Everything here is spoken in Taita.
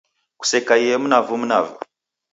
Kusekaiye mnavu mnavu.